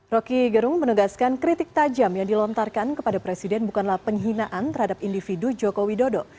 roky gerung menegaskan kritik tajam yang dilontarkan kepada presiden bukanlah penghinaan terhadap individu jokowi dodo